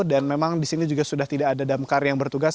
dan memang di sini juga sudah tidak ada damkar yang bertugas